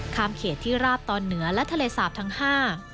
เขตที่ราบตอนเหนือและทะเลสาบทั้งห้า